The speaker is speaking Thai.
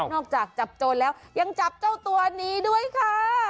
จากจับโจรแล้วยังจับเจ้าตัวนี้ด้วยค่ะ